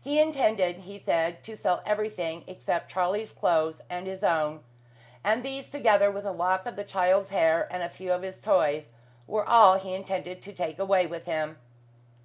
He intended, he said, to sell everything except Charlie's clothes and his own, and these, together with a lock of the child's hair and a few of his toys, were all he intended to take away with him.